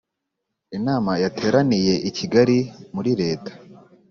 inama yateraniye i Kigali murileta